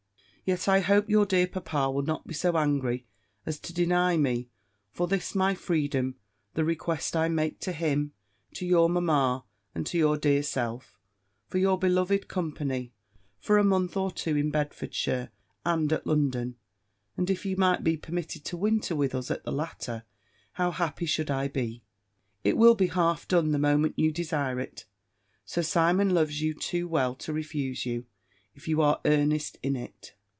"Yet I hope your dear papa will not be so angry as to deny me, for this my freedom, the request I make to him, to your mamma, and to your dear self, for your beloved company, for a month or two in Bedfordshire, and at London: and if you might be permitted to winter with us at the latter, how happy should I be! It will be half done the moment you desire it. Sir Simon loves you too well to refuse you, if you are earnest in it.